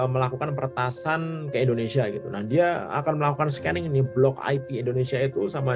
melakukan peretasan ke indonesia gitu nah dia akan melakukan scanning ini blok ip indonesia itu sama